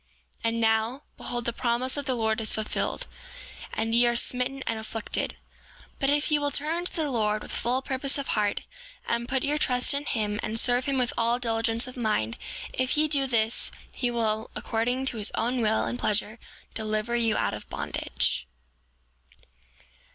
7:32 And now, behold, the promise of the Lord is fulfilled, and ye are smitten and afflicted. 7:33 But if ye will turn to the Lord with full purpose of heart, and put your trust in him, and serve him with all diligence of mind, if ye do this, he will, according to his own will and pleasure, deliver you out of bondage.